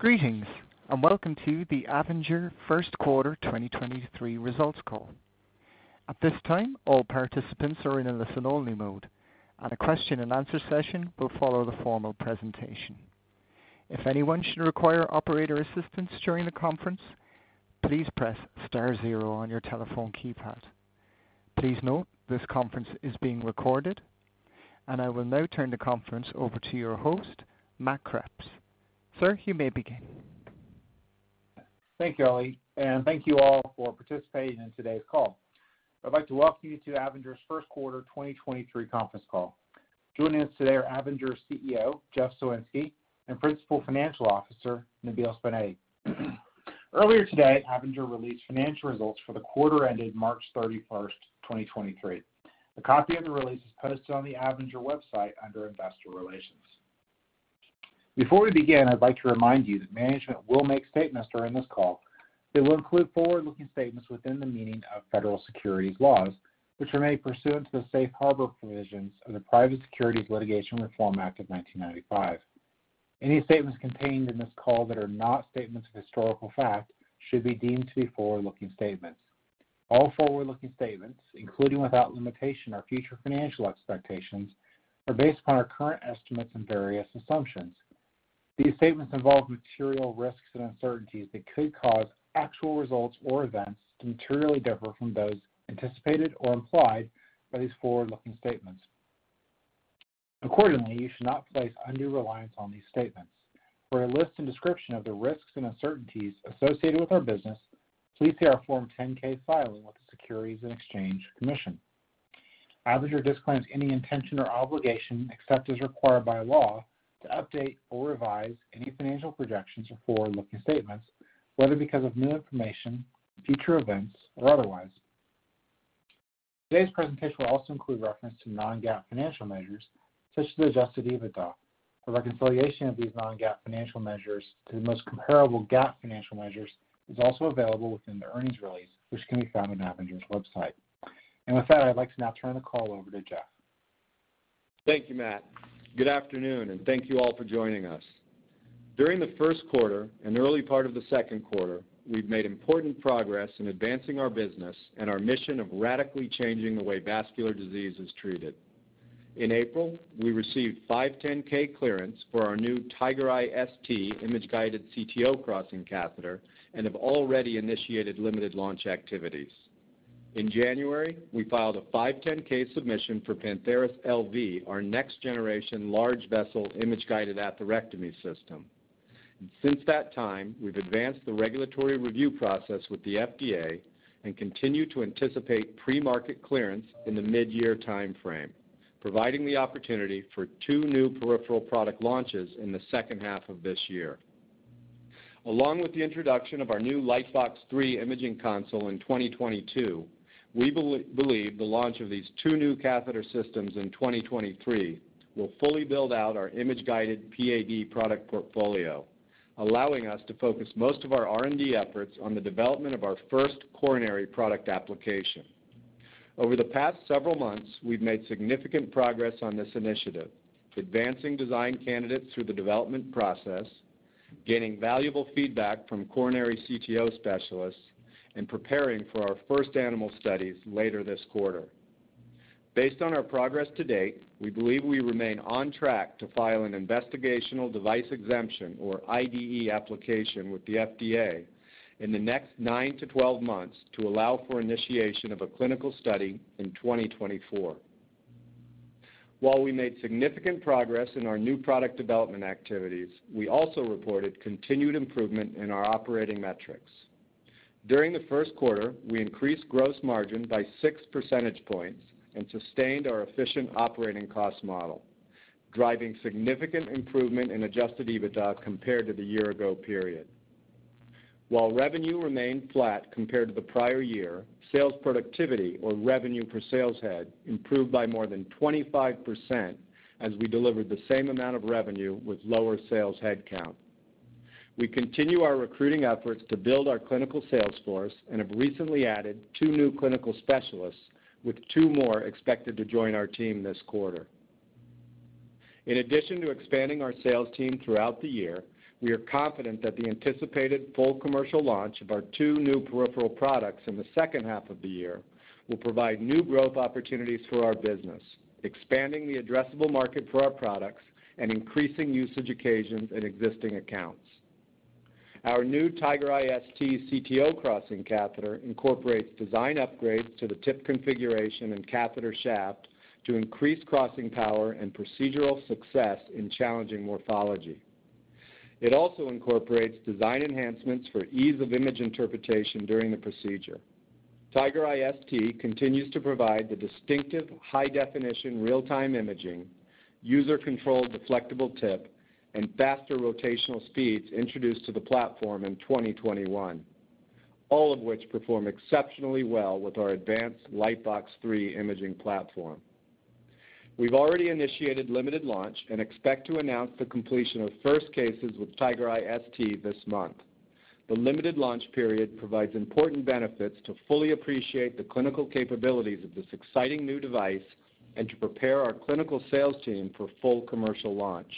Greetings, welcome to the Avinger First Quarter 2023 Results Call. At this time, all participants are in a listen-only mode, and a question-and-answer session will follow the formal presentation. If anyone should require operator assistance during the conference, please press star zero on your telephone keypad. Please note this conference is being recorded. I will now turn the conference over to your host, Matt Kreps. Sir, you may begin. Thank you, Ali, thank you all for participating in today's call. I'd like to welcome you to Avinger's first quarter 2023 conference call. Joining us today are Avinger's CEO, Jeff Soinski, and Principal Financial Officer, Nabeel Subainati. Earlier today, Avinger released financial results for the quarter ended March 31st, 2023. A copy of the release is posted on the Avinger website under Investor Relations. Before we begin, I'd like to remind you that management will make statements during this call that will include forward-looking statements within the meaning of federal securities laws, which are made pursuant to the Safe Harbor provisions of the Private Securities Litigation Reform Act of 1995. Any statements contained in this call that are not statements of historical fact should be deemed to be forward-looking statements. All forward-looking statements, including without limitation our future financial expectations, are based upon our current estimates and various assumptions. These statements involve material risks and uncertainties that could cause actual results or events to materially differ from those anticipated or implied by these forward-looking statements. Accordingly, you should not place undue reliance on these statements. For a list and description of the risks and uncertainties associated with our business, please see our Form 10-K filing with the Securities and Exchange Commission. Avinger disclaims any intention or obligation, except as required by law, to update or revise any financial projections or forward-looking statements, whether because of new information, future events, or otherwise. Today's presentation will also include reference to non-GAAP financial measures, such as adjusted EBITDA. The reconciliation of these non-GAAP financial measures to the most comparable GAAP financial measures is also available within the earnings release, which can be found on Avinger's Website. With that, I'd like to now turn the call over to Jeff. Thank you, Matt. Good afternoon, and thank you all for joining us. During the first quarter and early part of the second quarter, we've made important progress in advancing our business and our mission of radically changing the way vascular disease is treated. In April, we received 510(k) clearance for our new TigerEye ST image-guided CTO crossing catheter and have already initiated limited launch activities. In January, we filed a 510(k) submission for Pantheris LV, our next-generation large-vessel image-guided atherectomy system. Since that time, we've advanced the regulatory review process with the FDA and continue to anticipate premarket clearance in the midyear timeframe, providing the opportunity for two new peripheral product launches in the second half of this year. Along with the introduction of our new Lightbox 3 imaging console in 2022, we believe the launch of these two new catheter systems in 2023 will fully build out our image-guided PAD product portfolio, allowing us to focus most of our R&D efforts on the development of our first coronary product application. Over the past several months, we've made significant progress on this initiative, advancing design candidates through the development process, gaining valuable feedback from coronary CTO specialists, and preparing for our first animal studies later this quarter. Based on our progress to date, we believe we remain on track to file an Investigational Device Exemption or IDE application with the FDA in the next 9-12 months to allow for initiation of a clinical study in 2024. While we made significant progress in our new product development activities, we also reported continued improvement in our operating metrics. During the first quarter, we increased gross margin by six percentage points and sustained our efficient operating cost model, driving significant improvement in adjusted EBITDA compared to the year ago period. While revenue remained flat compared to the prior year, sales productivity or revenue per sales head improved by more than 25% as we delivered the same amount of revenue with lower sales headcount. We continue our recruiting efforts to build our clinical sales force and have recently added two new clinical specialists, with 2 more expected to join our team this quarter. In addition to expanding our sales team throughout the year, we are confident that the anticipated full commercial launch of our two new peripheral products in the second half of the year will provide new growth opportunities for our business, expanding the addressable market for our products and increasing usage occasions in existing accounts. Our new TigerEye ST CTO crossing catheter incorporates design upgrades to the tip configuration and catheter shaft to increase crossing power and procedural success in challenging morphology. It also incorporates design enhancements for ease of image interpretation during the procedure. TigerEye ST continues to provide the distinctive high-definition real-time imaging, user-controlled deflectable tip, and faster rotational speeds introduced to the platform in 2021, all of which perform exceptionally well with our advanced Lightbox 3 imaging platform. We've already initiated limited launch and expect to announce the completion of first cases with TigerEye ST this month. The limited launch period provides important benefits to fully appreciate the clinical capabilities of this exciting new device and to prepare our clinical sales team for full commercial launch.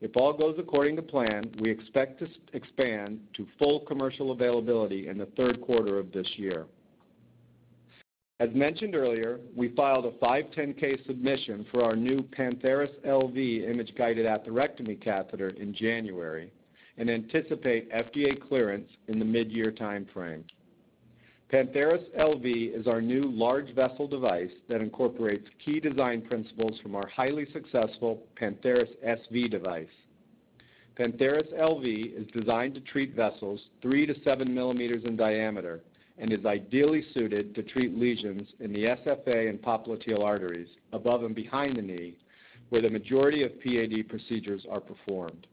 If all goes according to plan, we expect to expand to full commercial availability in the third quarter of this year. As mentioned earlier, we filed a 510(k) submission for our new Pantheris LV image-guided atherectomy catheter in January and anticipate FDA clearance in the mid-year time frame. Pantheris LV is our new large-vessel device that incorporates key design principles from our highly successful Pantheris SV device. Pantheris LV is designed to treat vessels 3-7 mm in diameter and is ideally suited to treat lesions in the SFA and popliteal arteries above and behind the knee, where the majority of PAD procedures are performed.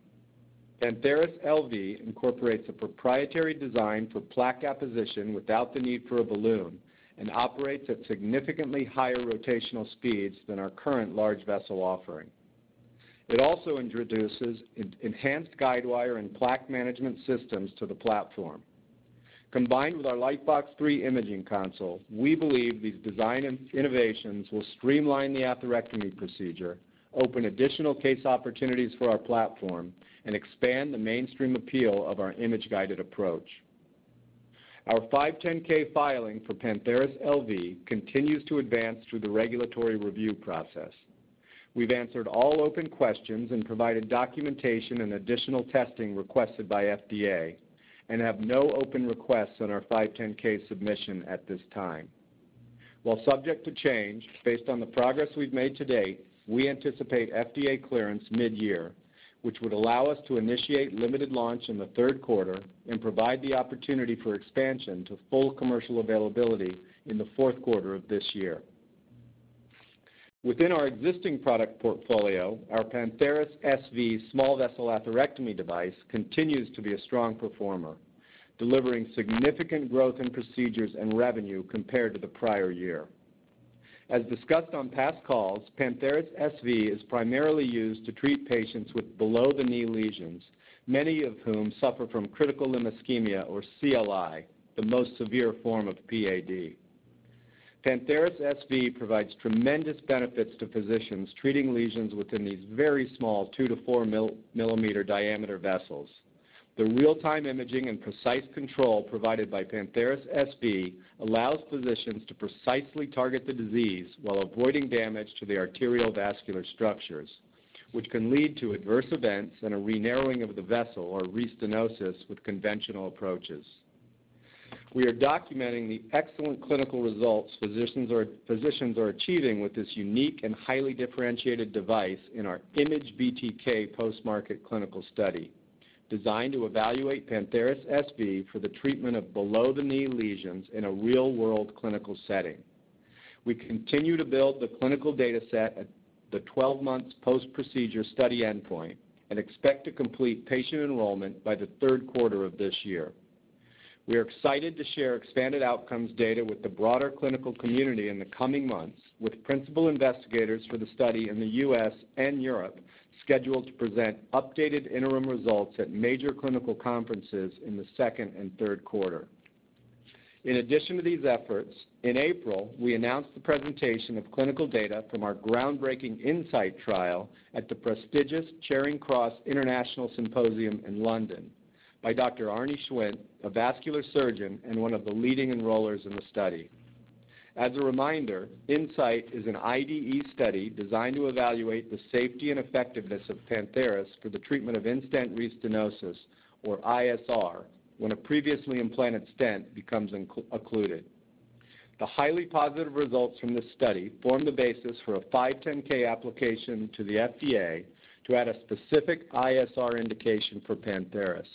Pantheris LV incorporates a proprietary design for plaque apposition without the need for a balloon and operates at significantly higher rotational speeds than our current large vessel offering. It also introduces enhanced guidewire and plaque management systems to the platform. Combined with our Lightbox 3 imaging console, we believe these design innovations will streamline the atherectomy procedure, open additional case opportunities for our platform, and expand the mainstream appeal of our image-guided approach. Our 510(k) filing for Pantheris LV continues to advance through the regulatory review process. We've answered all open questions and provided documentation and additional testing requested by FDA and have no open requests on our 510(k) submission at this time. While subject to change based on the progress we've made to date, we anticipate FDA clearance midyear, which would allow us to initiate limited launch in the third quarter and provide the opportunity for expansion to full commercial availability in the fourth quarter of this year. Within our existing product portfolio, our Pantheris SV small-vessel atherectomy device continues to be a strong performer, delivering significant growth in procedures and revenue compared to the prior year. As discussed on past calls, Pantheris SV is primarily used to treat patients with below-the-knee lesions, many of whom suffer from critical limb ischemia or CLI, the most severe form of PAD. Pantheris SV provides tremendous benefits to physicians treating lesions within these very small 2-4 millimeter diameter vessels. The real-time imaging and precise control provided by Pantheris SV allows physicians to precisely target the disease while avoiding damage to the arterial vascular structures, which can lead to adverse events and a re-narrowing of the vessel or restenosis with conventional approaches. We are documenting the excellent clinical results physicians are achieving with this unique and highly differentiated device in our IMAGE-BTK post-market clinical study, designed to evaluate Pantheris SV for the treatment of below-the-knee lesions in a real-world clinical setting. We continue to build the clinical data set at the 12-month post-procedure study endpoint and expect to complete patient enrollment by the third quarter of this year. We are excited to share expanded outcomes data with the broader clinical community in the coming months, with principal investigators for the study in the U.S. and Europe scheduled to present updated interim results at major clinical conferences in the second and third quarter. In addition to these efforts, in April, we announced the presentation of clinical data from our groundbreaking INSIGHT trial at the prestigious Charing Cross International Symposium in London by Dr.Arne Schwindt, a vascular surgeon and one of the leading enrollers in the study. As a reminder, INSIGHT is an IDE study designed to evaluate the safety and effectiveness of Pantheris for the treatment of in-stent restenosis, or ISR, when a previously implanted stent becomes occluded. The highly positive results from this study form the basis for a 510(k) application to the FDA to add a specific ISR indication for Pantheris.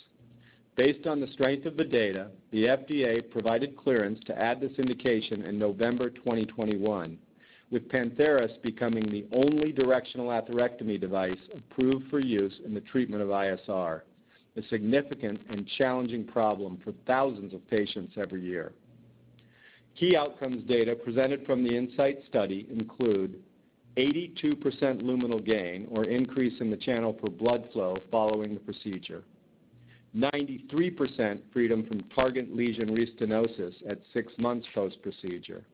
Based on the strength of the data, the FDA provided clearance to add this indication in November 2021, with Pantheris becoming the only directional atherectomy device approved for use in the treatment of ISR, a significant and challenging problem for thousands of patients every year. Key outcomes data presented from the INSIGHT study include 82% luminal gain or increase in the channel for blood flow following the procedure, 93% freedom from target lesion restenosis at 6 months post-procedure,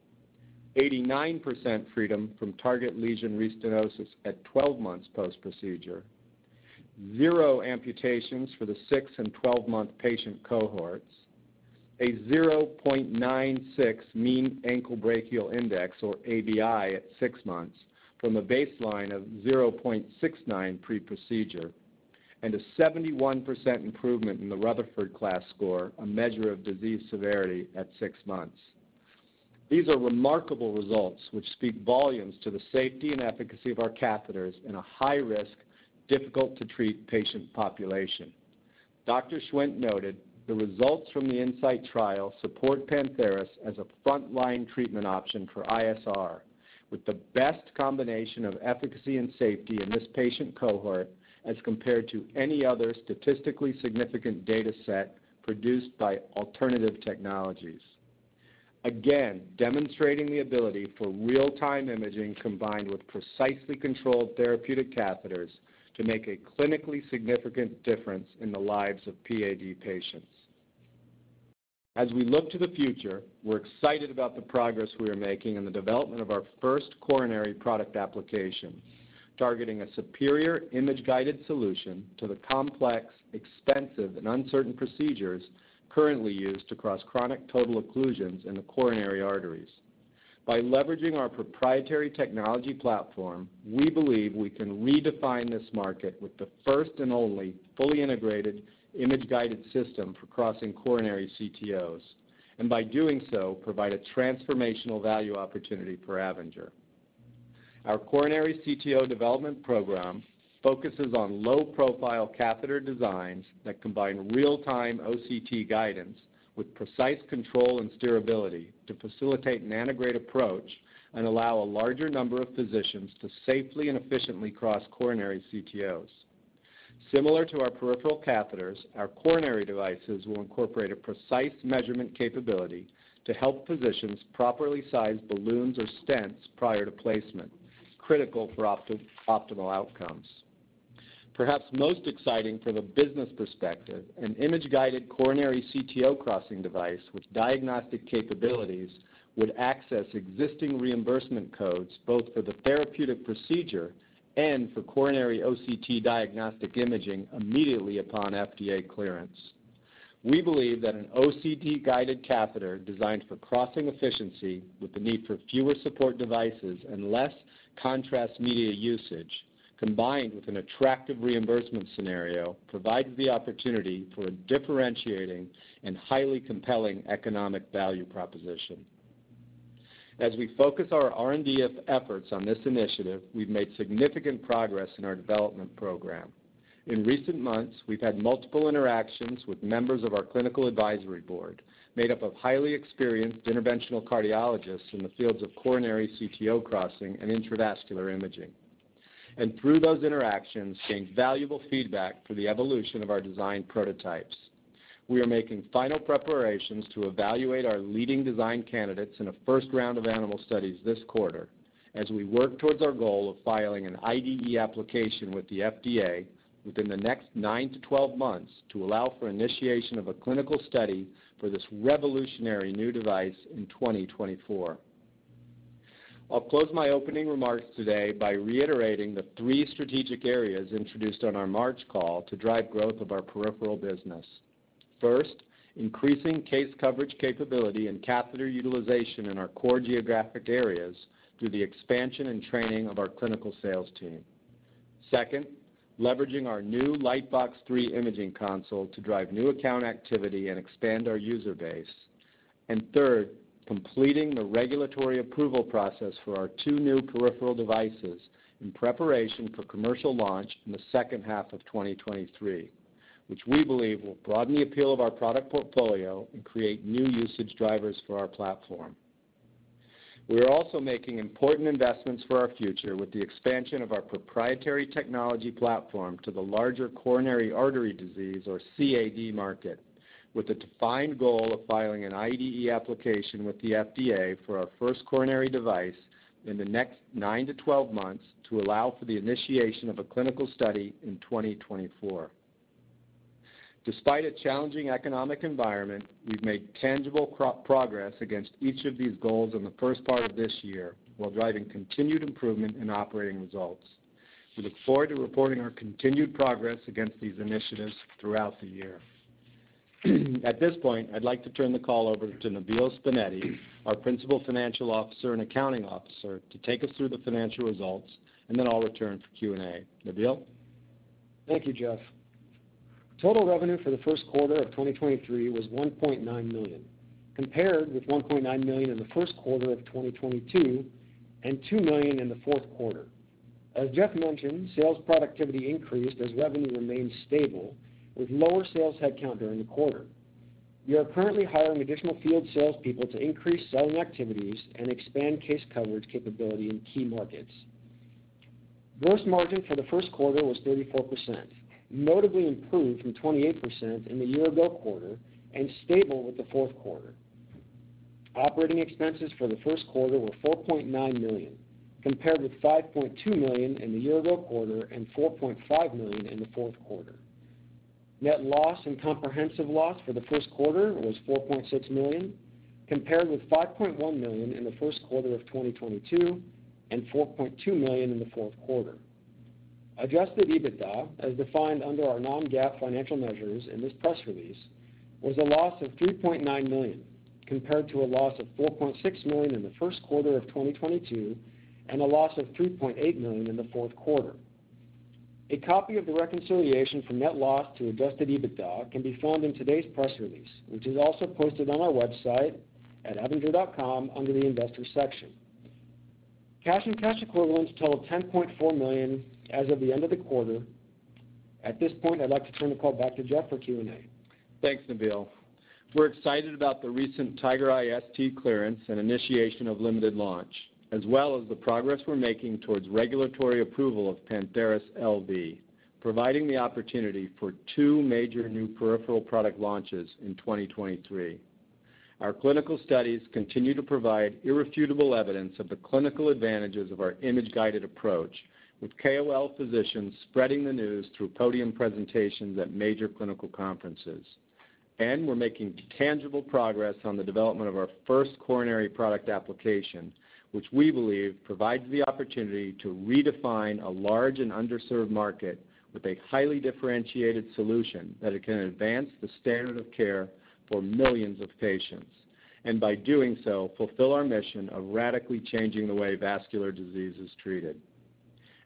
89% freedom from target lesion restenosis at 12 months post-procedure, 0 amputations for the 6 and 12-month patient cohorts, a 0.96 mean ankle-brachial index or ABI at 6 months from a baseline of 0.69 pre-procedure, and a 71% improvement in the Rutherford class score, a measure of disease severity at 6 months. These are remarkable results which speak volumes to the safety and efficacy of our catheters in a high-risk, difficult to treat patient population. Dr. Schwindt noted the results from the INSIGHT trial support Pantheris as a front-line treatment option for ISR, with the best combination of efficacy and safety in this patient cohort as compared to any other statistically significant data set produced by alternative technologies. Again, demonstrating the ability for real-time imaging combined with precisely controlled therapeutic catheters to make a clinically significant difference in the lives of PAD patients. As we look to the future, we're excited about the progress we are making in the development of our first coronary product application, targeting a superior image-guided solution to the complex, extensive, and uncertain procedures currently used across chronic total occlusions in the coronary arteries. By leveraging our proprietary technology platform, we believe we can redefine this market with the first and only fully integrated image-guided system for crossing coronary CTOs, and by doing so, provide a transformational value opportunity for Avinger. Our coronary CTO development program focuses on low-profile catheter designs that combine real-time OCT guidance with precise control and steerability to facilitate an integrate approach and allow a larger number of physicians to safely and efficiently cross coronary CTOs. Similar to our peripheral catheters, our coronary devices will incorporate a precise measurement capability to help physicians properly size balloons or stents prior to placement, critical for optimal outcomes. Perhaps most exciting from a business perspective, an image-guided coronary CTO crossing device with diagnostic capabilities would access existing reimbursement codes, both for the therapeutic procedure and for coronary OCT diagnostic imaging immediately upon FDA clearance. We believe that an OCT-guided catheter designed for crossing efficiency with the need for fewer support devices and less contrast media usage, combined with an attractive reimbursement scenario, provides the opportunity for a differentiating and highly compelling economic value proposition. As we focus our R&D efforts on this initiative, we've made significant progress in our development program. In recent months, we've had multiple interactions with members of our clinical advisory board, made up of highly experienced interventional cardiologists in the fields of coronary CTO crossing and intravascular imaging, and through those interactions, gained valuable feedback for the evolution of our design prototypes. We are making final preparations to evaluate our leading design candidates in a first round of animal studies this quarter as we work towards our goal of filing an IDE application with the FDA within the next 9-12 months to allow for initiation of a clinical study for this revolutionary new device in 2024. I'll close my opening remarks today by reiterating the three strategic areas introduced on our March call to drive growth of our peripheral business. First, increasing case coverage capability and catheter utilization in our core geographic areas through the expansion and training of our clinical sales team. Second, leveraging our new Lightbox 3 imaging console to drive new account activity and expand our user base. Third, completing the regulatory approval process for our two new peripheral devices in preparation for commercial launch in the second half of 2023, which we believe will broaden the appeal of our product portfolio and create new usage drivers for our platform. We are also making important investments for our future with the expansion of our proprietary technology platform to the larger coronary artery disease, or CAD market, with a defined goal of filing an IDE application with the FDA for our first coronary device in the next 9 to 12 months to allow for the initiation of a clinical study in 2024. Despite a challenging economic environment, we've made tangible crop-progress against each of these goals in the first part of this year while driving continued improvement in operating results. We look forward to reporting our continued progress against these initiatives throughout the year. At this point, I'd like to turn the call over to Nabeel Subainati, our Principal Financial Officer and Accounting Officer, to take us through the financial results, and then I'll return for Q&A. Nabeel? Thank you, Jeff. Total revenue for the first quarter of 2023 was $1.9 million, compared with $1.9 million in the first quarter of 2022 and $2 million in the fourth quarter. As Jeff mentioned, sales productivity increased as revenue remained stable with lower sales headcount during the quarter. We are currently hiring additional field salespeople to increase selling activities and expand case coverage capability in key markets. Gross margin for the first quarter was 34%, notably improved from 28% in the year-ago quarter and stable with the fourth quarter. Operating expenses for the first quarter were $4.9 million, compared with $5.2 million in the year-ago quarter and $4.5 million in the fourth quarter. Net loss and comprehensive loss for the first quarter was $4.6 million, compared with $5.1 million in the first quarter of 2022 and $4.2 million in the fourth quarter. Adjusted EBITDA, as defined under our non-GAAP financial measures in this press release, was a loss of $3.9 million, compared to a loss of $4.6 million in the first quarter of 2022 and a loss of $3.8 million in the fourth quarter. A copy of the reconciliation from net loss to Adjusted EBITDA can be found in today's press release, which is also posted on our website at avinger.com under the Investors section. Cash and cash equivalents total $10.4 million as of the end of the quarter. At this point, I'd like to turn the call back to Jeff for Q&A. Thanks, Nabeel. We're excited about the recent TigerEye ST clearance and initiation of limited launch, as well as the progress we're making towards regulatory approval of Pantheris LV, providing the opportunity for two major new peripheral product launches in 2023. Our clinical studies continue to provide irrefutable evidence of the clinical advantages of our image-guided approach, with KOL physicians spreading the news through podium presentations at major clinical conferences. We're making tangible progress on the development of our first coronary product application, which we believe provides the opportunity to redefine a large and underserved market with a highly differentiated solution that it can advance the standard of care for millions of patients. By doing so, fulfill our mission of radically changing the way vascular disease is treated.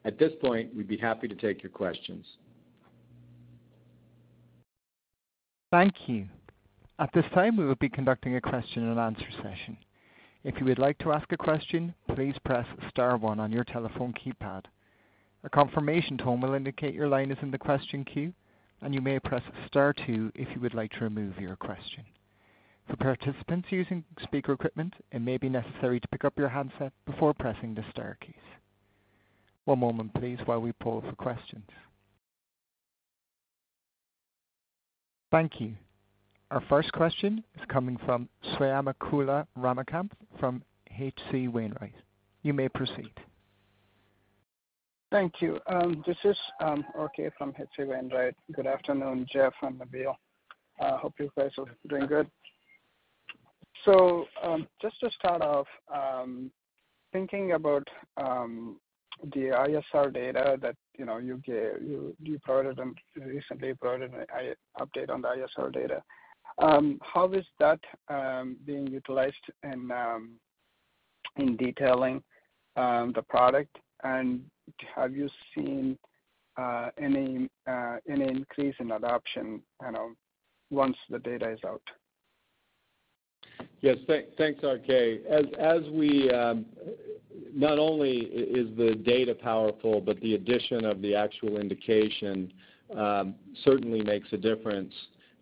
At this point, we'd be happy to take your questions. Thank you. At this time, we will be conducting a question and answer session. If you would like to ask a question, please press star one on your telephone keypad. A confirmation tone will indicate your line is in the question queue, and you may press star two if you would like to remove your question. For participants using speaker equipment, it may be necessary to pick up your handset before pressing the star keys. One moment please, while we pull for questions. Thank you. Our first question is coming from Swayampakula Ramakanth from H.C. Wainwright. You may proceed. Thank you. This is RK from H.C. Wainwright. Good afternoon, Jeff and Nabeel. Hope you guys are doing good. Just to start off, thinking about the ISR data that, you know, you provided them recently, provided a update on the ISR data. How is that being utilized in detailing the product? Have you seen any increase in adoption, you know, once the data is out? Yes. Thanks, RK. As we, not only is the data powerful, the addition of the actual indication certainly makes a difference,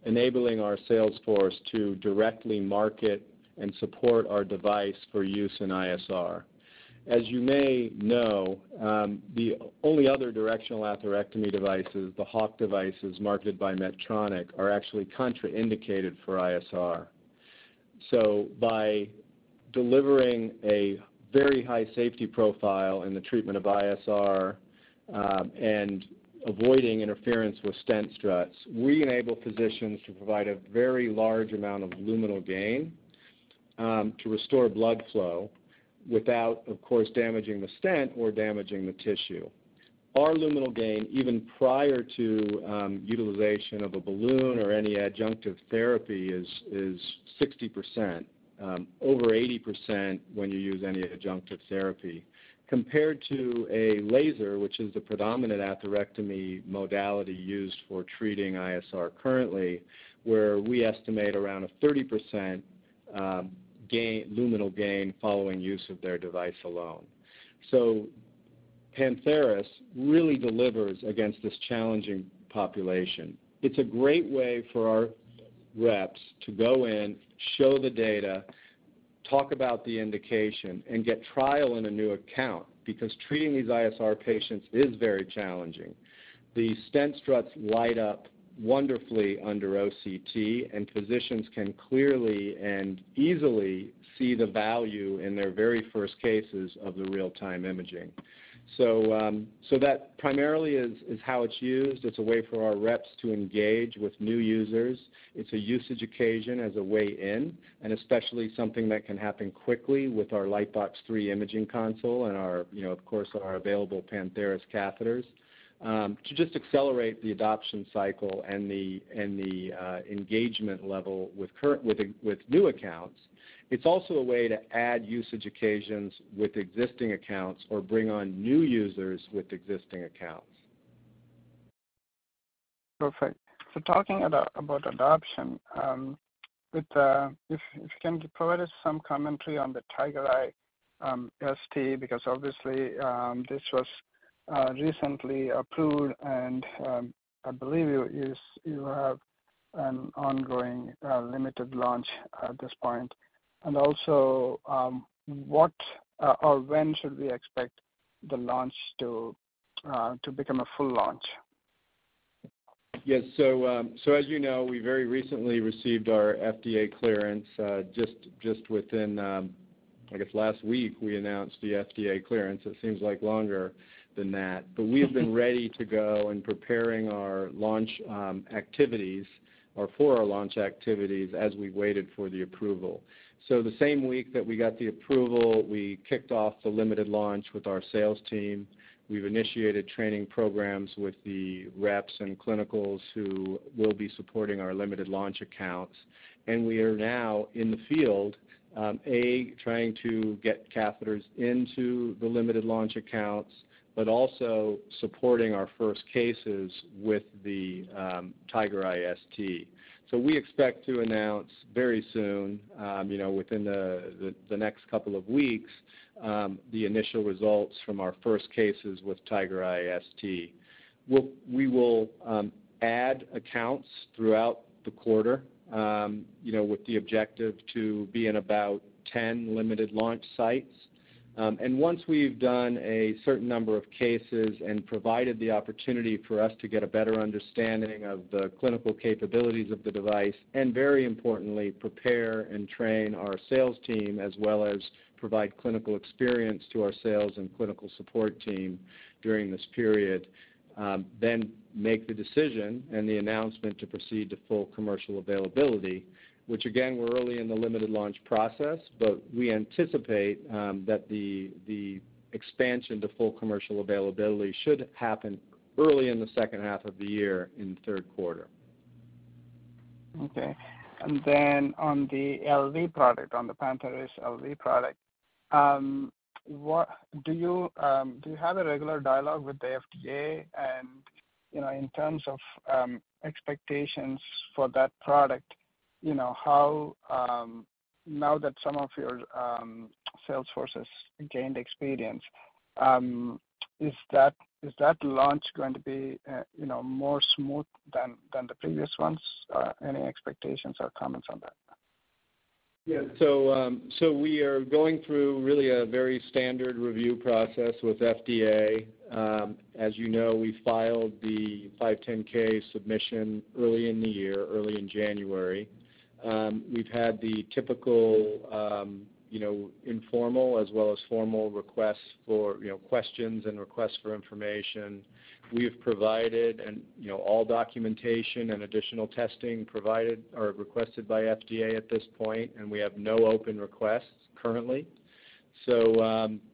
enabling our sales force to directly market and support our device for use in ISR. As you may know, the only other directional atherectomy devices, the HawkOne devices marketed by Medtronic, are actually contraindicated for ISR. By delivering a very high safety profile in the treatment of ISR, and avoiding interference with stent struts, we enable physicians to provide a very large amount of luminal gain to restore blood flow without, of course, damaging the stent or damaging the tissue. Our luminal gain, even prior to utilization of a balloon or any adjunctive therapy, is 60%, over 80% when you use any adjunctive therapy. Compared to a laser, which is the predominant atherectomy modality used for treating ISR currently, where we estimate around a 30% gain, luminal gain following use of their device alone. Pantheris really delivers against this challenging population. It's a great way for our reps to go in, show the data, talk about the indication, and get trial in a new account, because treating these ISR patients is very challenging. The stent struts light up wonderfully under OCT, and physicians can clearly and easily see the value in their very first cases of the real-time imaging. That primarily is how it's used. It's a way for our reps to engage with new users. It's a usage occasion as a way in, and especially something that can happen quickly with our Lightbox 3 imaging console and our, you know, of course, our available Pantheris catheters, to just accelerate the adoption cycle and the engagement level with new accounts. It's also a way to add usage occasions with existing accounts or bring on new users with existing accounts. Perfect. Talking about adoption, with the If you can provide us some commentary on the TigerEye ST, because obviously, this was recently approved, and I believe you have an ongoing limited launch at this point. Also, what or when should we expect the launch to become a full launch? Yes. As you know, we very recently received our FDA clearance, within, I guess, last week, we announced the FDA clearance. It seems like longer than that. We've been ready to go and preparing our launch activities or for our launch activities as we waited for the approval. The same week that we got the approval, we kicked off the limited launch with our sales team. We've initiated training programs with the reps and clinicals who will be supporting our limited launch accounts. We are now in the field, A, trying to get catheters into the limited launch accounts, but also supporting our first cases with the TigerEye ST. We expect to announce very soon, you know, within the next couple of weeks, the initial results from our first cases with TigerEye ST. We will add accounts throughout the quarter, you know, with the objective to be in about 10 limited launch sites. Once we've done a certain number of cases and provided the opportunity for us to get a better understanding of the clinical capabilities of the device, and very importantly, prepare and train our sales team, as well as provide clinical experience to our sales and clinical support team during this period, then make the decision and the announcement to proceed to full commercial availability, which again, we're early in the limited launch process, but we anticipate that the expansion to full commercial availability should happen early in the second half of the year, in the third quarter. Okay. On the LV product, on the Pantheris LV product, do you have a regular dialogue with the FDA? You know, in terms of expectations for that product, you know, how now that some of your sales forces gained experience, is that launch going to be, you know, more smooth than the previous ones? Any expectations or comments on that? Yeah. We are going through really a very standard review process with FDA. As you know, we filed the 510(k) submission early in the year, early in January. We've had the typical, you know, informal as well as formal requests for, you know, questions and requests for information. We have provided and, you know, all documentation and additional testing provided or requested by FDA at this point, and we have no open requests currently.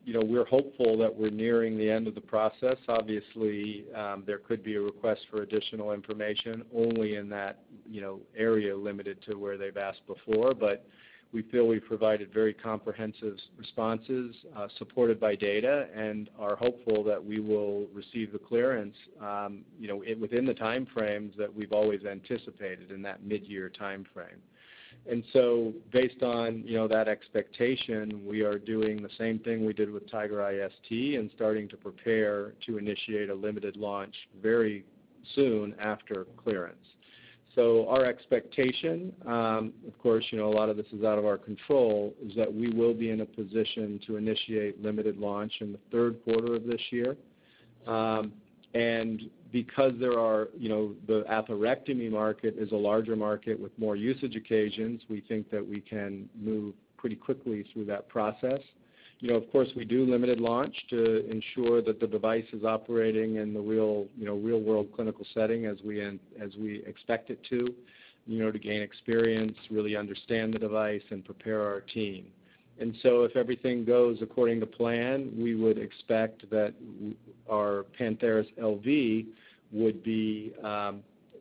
You know, we're hopeful that we're nearing the end of the process. Obviously, there could be a request for additional information only in that, you know, area limited to where they've asked before. We feel we've provided very comprehensive responses, supported by data and are hopeful that we will receive the clearance, you know, within the time frames that we've always anticipated in that mid-year time frame. Based on, you know, that expectation, we are doing the same thing we did with TigerEye ST and starting to prepare to initiate a limited launch very soon after clearance. Our expectation, of course, you know, a lot of this is out of our control, is that we will be in a position to initiate limited launch in the third quarter of this year. Because there are, you know, the atherectomy market is a larger market with more usage occasions, we think that we can move pretty quickly through that process. You know, of course, we do limited launch to ensure that the device is operating in the real, you know, real-world clinical setting as we expect it to, you know, to gain experience, really understand the device and prepare our team. So if everything goes according to plan, we would expect that our Pantheris LV would be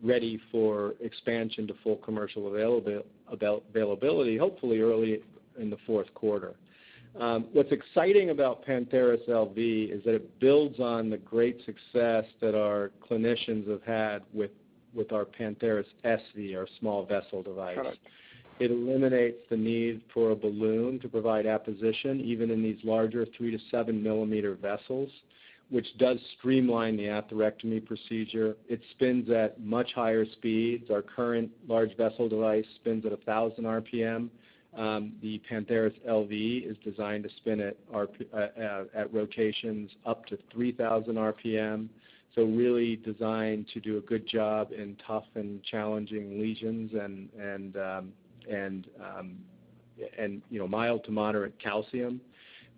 ready for expansion to full commercial availability, hopefully early in the fourth quarter. What's exciting about Pantheris LV is that it builds on the great success that our clinicians have had with our Pantheris SV, our small vessel device. Got it. It eliminates the need for a balloon to provide apposition, even in these larger 3-7 millimeter vessels, which does streamline the atherectomy procedure. It spins at much higher speeds. Our current large vessel device spins at 1,000 RPM. The Pantheris LV is designed to spin at rotations up to 3,000 RPM. really designed to do a good job in tough and challenging lesions and, you know, mild to moderate calcium.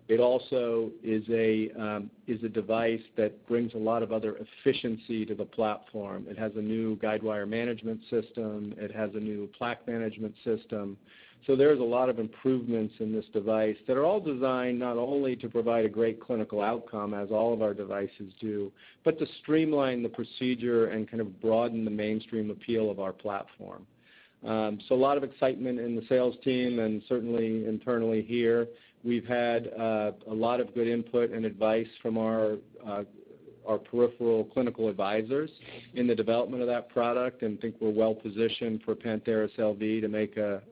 It also is a device that brings a lot of other efficiency to the platform. It has a new guide wire management system. It has a new plaque management system. There's a lot of improvements in this device that are all designed not only to provide a great clinical outcome as all of our devices do, but to streamline the procedure and kind of broaden the mainstream appeal of our platform. A lot of excitement in the sales team and certainly internally here. We've had a lot of good input and advice from our peripheral clinical advisors in the development of that product and think we're well positioned for Pantheris LV to make a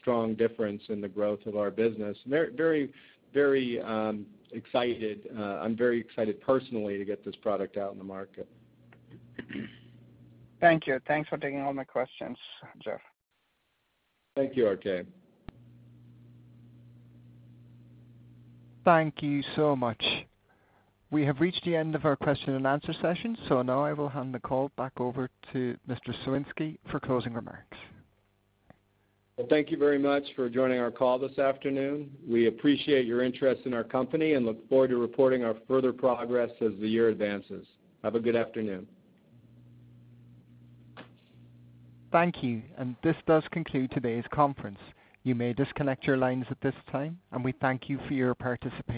strong difference in the growth of our business. Very excited. I'm very excited personally to get this product out in the market. Thank you. Thanks for taking all my questions, Jeff. Thank you, RK. Thank you so much. We have reached the end of our question and answer session, so now I will hand the call back over to Mr. Soinski for closing remarks. Well, thank you very much for joining our call this afternoon. We appreciate your interest in our company and look forward to reporting our further progress as the year advances. Have a good afternoon. Thank you. This does conclude today's conference. You may disconnect your lines at this time, and we thank you for your participation.